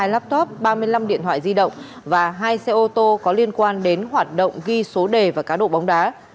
laptop ba mươi năm điện thoại di động và hai xe ô tô có liên quan đến hoạt động ghi số đề và cá độ bóng đá